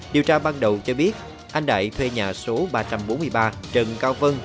điều tra ban đầu cho biết anh đại thuê nhà số ba trăm bốn mươi ba trần cao vân